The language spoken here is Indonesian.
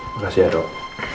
makasih ya dok